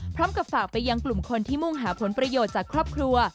พร้อมกับฝากไปยังกลุ่มคนที่มุ่งหาผลประโยชน์จากครอบครัว